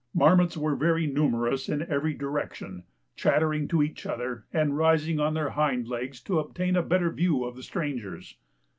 Marmots were numerous in every direction, chattering to each other, and rising on their hind legs to obtain a better view of the strangers.